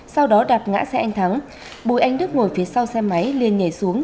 sau đó đạp ngã xe anh thắng bùi ánh đức ngồi phía sau xe máy liên nhảy xuống